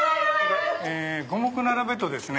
五目並べとですね